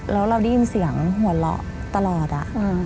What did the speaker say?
แล้วเราได้ยินเสียงหัวเราะตลอด